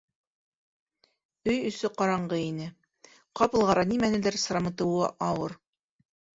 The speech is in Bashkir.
Өй эсе ҡараңғы ине, ҡапылғара нимәнелер сырамытыуы ауыр.